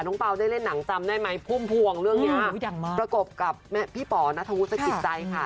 เปล่าได้เล่นหนังจำได้ไหมพุ่มพวงเรื่องนี้ประกบกับพี่ป๋อนัทธวุฒิสกิจใจค่ะ